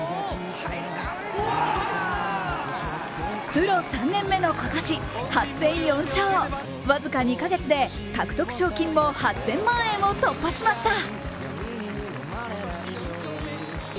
プロ３年目の今年、８戦４勝わずか２ヶ月で獲得賞金も８０００万円を突破しました。